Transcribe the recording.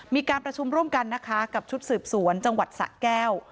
มีการประชุมร่วมกันนะคะกับชุดสืบสวนจังหวัดสะแก้ว